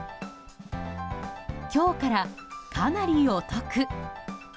今日から、かなりお得！